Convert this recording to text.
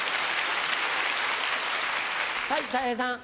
はいたい平さん。